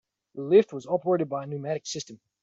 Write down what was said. The lift was operated by a pneumatic system.